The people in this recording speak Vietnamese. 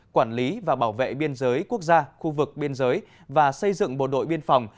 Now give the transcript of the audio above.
quản lý và bảo vệ biên giới quốc gia khu vực biên giới và xây dựng bộ đội biên phòng